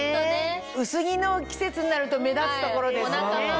薄着の季節になると目立つ所ですよね。